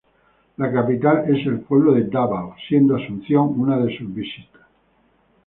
La capital es el pueblo de Dávao, siendo Asunción una de sus visitas.